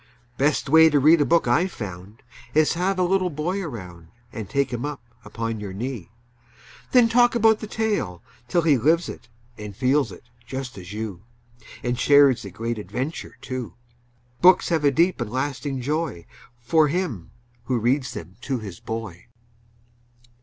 Best way to read a book I've found Is have a little boy around And take him up upon your knee; Then talk about the tale, till he Lives it and feels it, just as you, And shares the great adventure, too. Books have a deep and lasting joy For him who reads them to his boy.